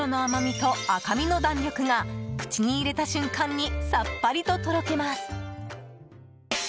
トロの甘みと赤身の弾力が口に入れた瞬間にさっぱりと、とろけます。